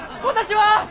私は！